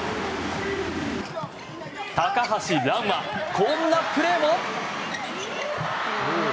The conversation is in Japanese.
高橋藍はこんなプレーも。